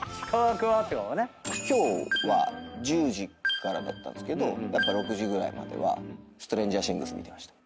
今日は１０時からだったんですけどやっぱ６時ぐらいまでは『ストレンジャー・シングス』見てました。